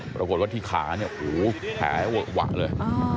ปรากฏว่าที่ขาแผลหวะเลย